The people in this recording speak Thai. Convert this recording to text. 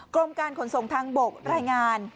กรมการขนส่งทางบกรายงาน